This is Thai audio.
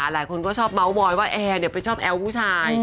หลายคนก็ชอบเมาส์มอยว่าแอร์ไปชอบแอ้วผู้ชาย